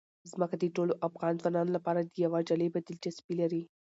ځمکه د ټولو افغان ځوانانو لپاره یوه جالبه دلچسپي لري.